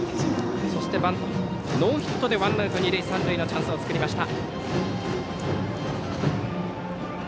そしてバントと、ノーヒットでワンアウト二塁三塁のチャンスを作りました。